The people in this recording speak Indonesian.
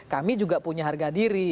kami juga punya harga diri